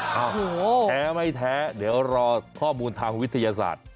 โอ้โหแท้ไม่แท้เดี๋ยวรอข้อมูลทางวิทยาศาสตร์